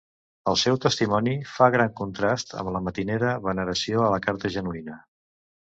El seu testimoni fa gran contrast amb la matinera veneració a la carta genuïna.